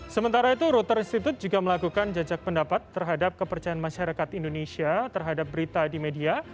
sementara itu router institute juga melakukan jajak pendapat terhadap kepercayaan masyarakat indonesia terhadap berita di media